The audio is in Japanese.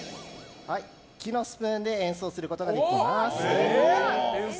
木のスプーンで演奏することができます。